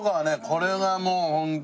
これがもうホントに。